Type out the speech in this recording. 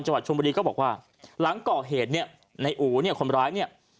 จังหวัดชมบรีก็บอกว่าหลังเกาะเหตุเนี่ยในอู๋เนี่ย